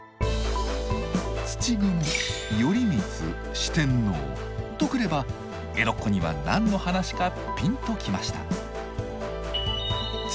土蜘蛛頼光四天王とくれば江戸っ子には何の話かピンときました。